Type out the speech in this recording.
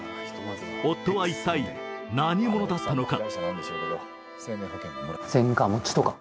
夫は一体、何者だったのか。